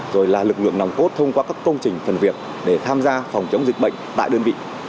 rồi là lực lượng nòng cốt thông qua các công trình phần việc để tham gia phòng chống dịch bệnh tại đơn vị